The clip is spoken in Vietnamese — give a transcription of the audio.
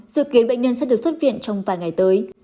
dự kiến bệnh nhân sẽ được xuất viện trong vài ngày tới